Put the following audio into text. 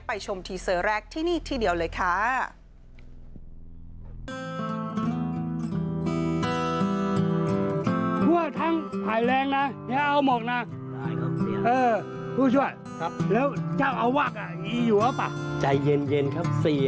ชมทีเซอร์แรกที่นี่ทีเดียวเลยค่ะ